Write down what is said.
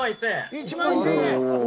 １万１０００円！